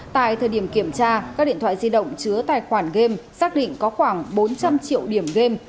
tại thời điểm kiểm tra các điện thoại di động chứa tài khoản game xác định có khoảng bốn trăm linh triệu điểm game